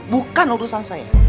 bukan urusan saya